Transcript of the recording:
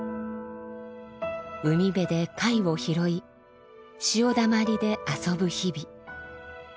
海辺で貝を拾い潮だまりで遊ぶ日々。